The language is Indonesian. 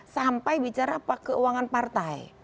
sampai bicara keuangan partai